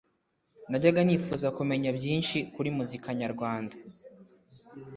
najyaga nifuza kumenya byinshi kuri muzika nyarwanda